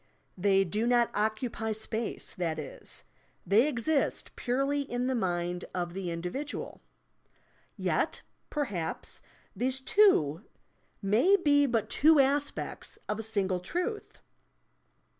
They do not occupy space, that is ; they exist purely in the mind of the individual. Yet, perhaps, these two may be but two aspects of a single truth!